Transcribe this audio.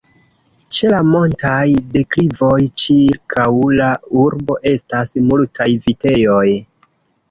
Ĉe la montaj deklivoj ĉirkaŭ la urbo estas multaj vitejoj.